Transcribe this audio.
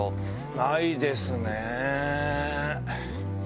ないですね。